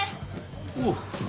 おう。